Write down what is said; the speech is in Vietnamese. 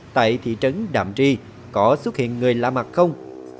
tại thị trấn đạm tri có xuất hiện người lạ mặt không